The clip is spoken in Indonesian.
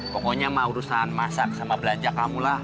pokoknya mau urusan masak sama belanja kamu lah